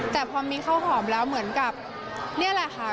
แต่พอมีข้าวหอมแล้วเหมือนกับนี่แหละค่ะ